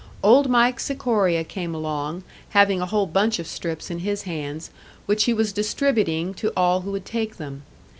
Old Mike Sikoria came along, having a whole bunch of strips in his hands, which he was distributing to all who would take them.